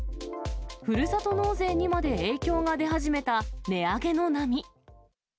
ふるさと納税にまで影響が出始めた値上げの波。